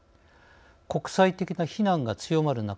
国際的な非難が強まる中